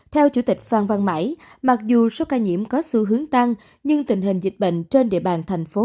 theo chủ tịch phan văn mãi mặc dù số ca nhiễm có xu hướng tăng nhưng tình hình dịch bệnh trên địa bàn thành phố